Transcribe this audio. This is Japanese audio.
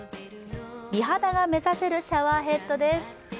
美肌が目指せるシャワーヘッドです。